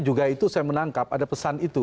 juga itu saya menangkap ada pesan itu